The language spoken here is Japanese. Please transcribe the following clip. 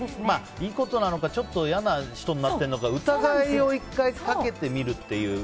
いいことなのかちょっと嫌な人になっているのか疑いを１回かけてみるという。